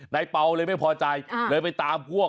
เปล่าเลยไม่พอใจเลยไปตามพวก